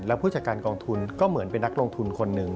แล้วผู้จัดการกองทุนก็เหมือนเป็นนักลงทุนคนหนึ่ง